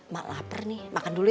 mak lapar nih makan dulu